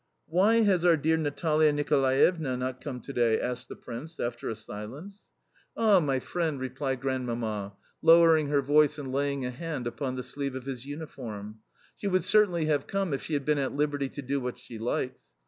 "Why has our dear Natalia Nicolaevna not come to day" asked the Prince after a silence. "Ah, my friend," replied Grandmamma, lowering her voice and laying a hand upon the sleeve of his uniform, "she would certainly have come if she had been at liberty to do what she likes.